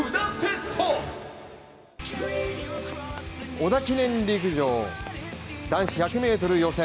織田記念陸上、男子１００ｍ予選。